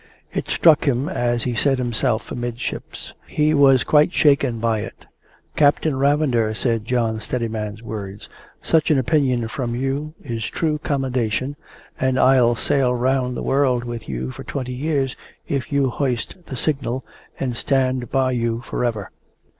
It struck him, as he said himself, amidships. He was quite shaken by it. "Captain Ravender," were John Steadiman's words, "such an opinion from you is true commendation, and I'll sail round the world with you for twenty years if you hoist the signal, and stand by you for ever!"